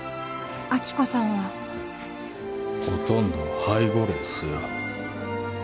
亜希子さんはほとんど背後霊っすよ